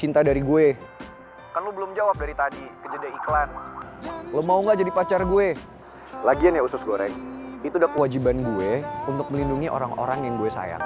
lo belum kewajiban gue untuk melindungi orang orang yang gue sayang